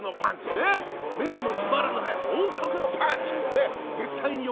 目にも留まらぬ速さ音速のパンチ。